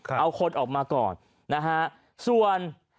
เอาคนออกมาก่อนนะฮะส่วน